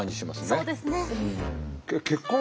そうですね。